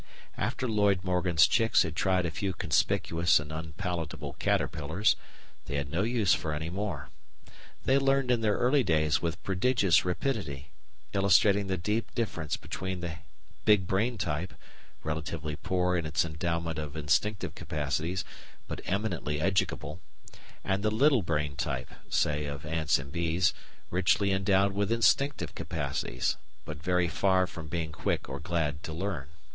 After Lloyd Morgan's chicks had tried a few conspicuous and unpalatable caterpillars, they had no use for any more. They learned in their early days with prodigious rapidity, illustrating the deep difference between the "big brain" type, relatively poor in its endowment of instinctive capacities, but eminently "educable," and the "little brain" type, say, of ants and bees, richly endowed with instinctive capacities, but very far from being quick or glad to learn.